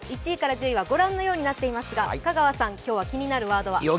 １位から１０位は御覧のようになっていますが、香川さん、今日は気になるワードは？